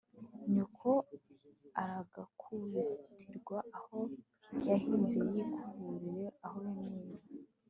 nyoko aragaku bitirwa aho yahinze yikuburire aho yaneye